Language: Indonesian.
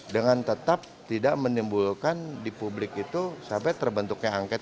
dengan tetap tidak menimbulkan di publik itu sampai terbentuknya angket